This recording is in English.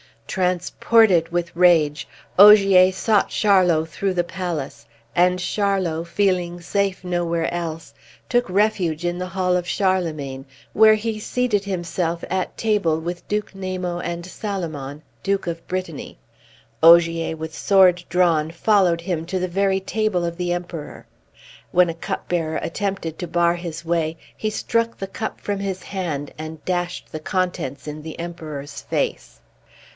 Transported with rage, Ogier sought Charlot through the palace, and Charlot, feeling safe nowhere else, took refuge in the hall of Charlemagne, where he seated himself at table with Duke Namo and Salomon, Duke of Brittany. Ogier, with sword drawn, followed him to the very table of the Emperor. When a cupbearer attempted to bar his way he struck the cup from his hand and dashed the contents in the Emperor's face.